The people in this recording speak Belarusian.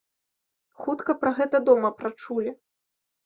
Хутка пра гэта дома прачулі.